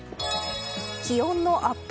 気温のアップ